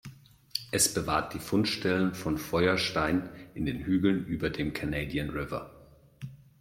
Es bewahrt die Fundstellen von Feuerstein in den Hügeln über dem Canadian River.